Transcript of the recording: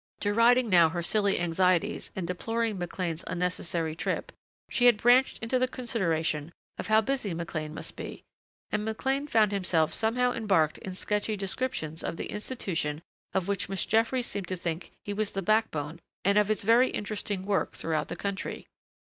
Deriding now her silly anxieties and deploring McLean's unnecessary trip, she had branched into the consideration of how busy McLean must be and McLean found himself somehow embarked in sketchy descriptions of the institution of which Miss Jeffries seemed to think he was the backbone and of its very interesting work throughout the country.